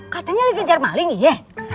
katanya lagi kejar maling iya